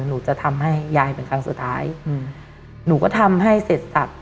หนูจะทำให้ยายเป็นครั้งสุดท้ายอืมหนูก็ทำให้เสร็จสับ